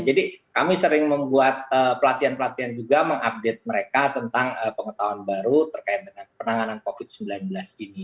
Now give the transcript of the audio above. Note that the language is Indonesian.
jadi kami sering membuat pelatihan pelatihan juga mengupdate mereka tentang pengetahuan baru terkait dengan penanganan covid sembilan belas ini